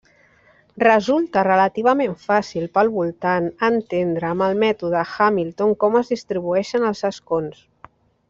Resulta relativament fàcil pel votant entendre amb el mètode Hamilton com es distribueixen els escons.